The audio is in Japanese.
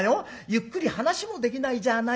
ゆっくり話もできないじゃあないか。